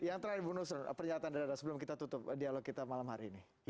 yang terakhir ibu nusron pernyataan dada sebelum kita tutup dialog kita malam hari ini